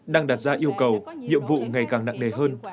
đang đặt ra yêu cầu nhiệm vụ ngày càng nặng nề hơn